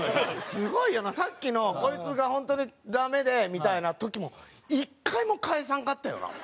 すごいよなさっきの「こいつが本当にダメで」みたいな時も１回も返さんかったよな。